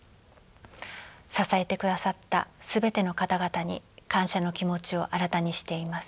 支えてくださった全ての方々に感謝の気持ちを新たにしています。